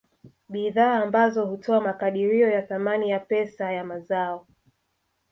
Bidhaa ambazo hutoa makadirio ya thamani ya pesa ya mazao